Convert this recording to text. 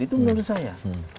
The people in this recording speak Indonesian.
itu menurut saya